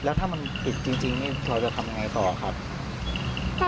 แล้วถ้ามันติดจริงจริงเนี้ยพุทธก็ทำยังไงต่ออะคะ